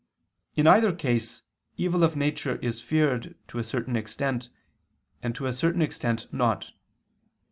In either case evil of nature is feared to a certain extent, and to a certain extent not.